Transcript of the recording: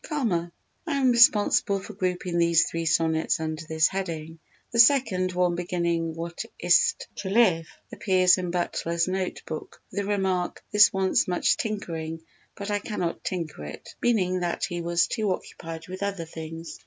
Karma I am responsible for grouping these three sonnets under this heading. The second one beginning "What is't to live" appears in Butler's Note Book with the remark, "This wants much tinkering, but I cannot tinker it"—meaning that he was too much occupied with other things.